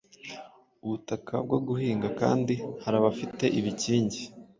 ubutaka bwo guhinga kandi hari abafite ibikingi